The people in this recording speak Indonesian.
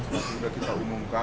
nanti udah kita umumkan